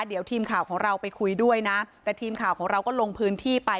เดี๋ยวทีมข่าวของเราไปคุยด้วยนะแต่ทีมข่าวของเราก็ลงพื้นที่ไป